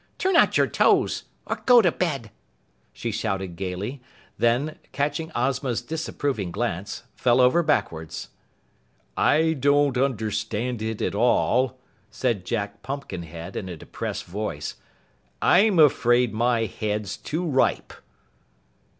Turn out your toes or go to bed!" she shouted gaily, then, catching Ozma's disapproving glance, fell over backwards. "I don't understand it at all," said Jack Pumpkinhead in a depressed voice. "I'm afraid my head's too ripe."